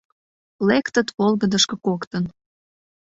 Лектыт волгыдышко коктын.